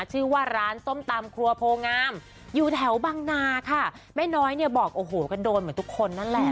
ชื่อว่าร้านส้มตำครัวโพงามอยู่แถวบังนาค่ะแม่น้อยเนี่ยบอกโอ้โหก็โดนเหมือนทุกคนนั่นแหละ